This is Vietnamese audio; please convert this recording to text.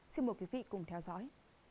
xin mời quý vị cùng theo dõi